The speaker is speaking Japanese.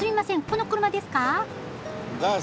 この車ですか？